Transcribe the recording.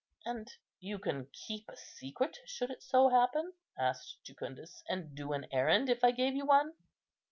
"And you can keep a secret, should it so happen?" asked Jucundus, "and do an errand, if I gave you one?"